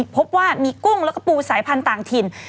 พบว่ามีกุ้งแล้วก็ปูสายพันธุ์ต่างถิ่น